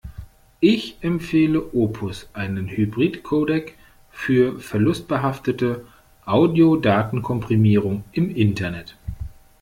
Ich empfehle Opus, einen Hybridcodec, für verlustbehaftete Audiodatenkomprimierung im Internet.